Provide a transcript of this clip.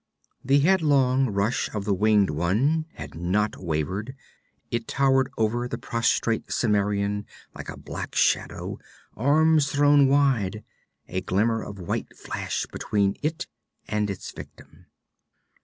The headlong rush of the winged one had not wavered. It towered over the prostrate Cimmerian like a black shadow, arms thrown wide a glimmer of white flashed between it and its victim.